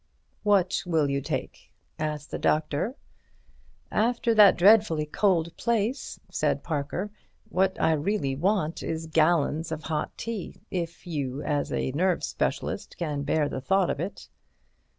"What will you take?" asked the doctor. "After that dreadfully cold place," said Parker, "what I really want is gallons of hot tea, if you, as a nerve specialist, can bear the thought of it.''